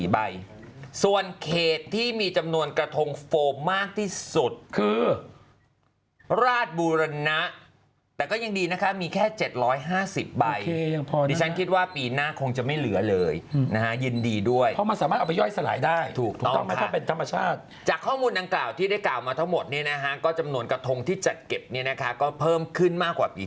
ใบส่วนเขตที่มีจำนวนกระทงโฟมมากที่สุดคือราชบูรณะแต่ก็ยังดีนะคะมีแค่๗๕๐ใบดิฉันคิดว่าปีหน้าคงจะไม่เหลือเลยนะฮะยินดีด้วยเพราะมันสามารถเอาไปย่อยสลายได้ถูกต้องไหมถ้าเป็นธรรมชาติจากข้อมูลดังกล่าวที่ได้กล่าวมาทั้งหมดเนี่ยนะฮะก็จำนวนกระทงที่จัดเก็บเนี่ยนะคะก็เพิ่มขึ้นมากกว่าปี